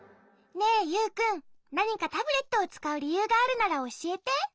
ねえユウくんなにかタブレットをつかうりゆうがあるならおしえて？